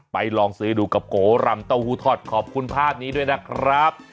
ลองซื้อดูกับโกรำเต้าหู้ทอดขอบคุณภาพนี้ด้วยนะครับ